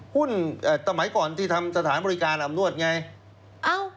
สมัยก่อนที่ทำสถานบริการอำนวดไง